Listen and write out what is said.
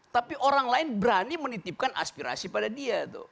tapi orang lain berani menitipkan aspirasi pada dia tuh